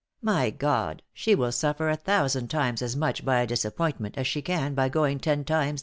My God! she will suffer a thousand times as much by a disappointment, as she can by going ten times the distance!"